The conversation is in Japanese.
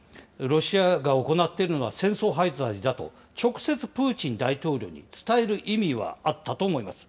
ロシアが行っているのは戦争犯罪だと直接プーチン大統領に伝える意味はあったと思います。